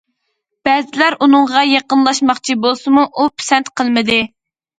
بەزىلەر ئۇنىڭغا يېقىنلاشماقچى بولسىمۇ ئۇ پىسەنت قىلمىدى.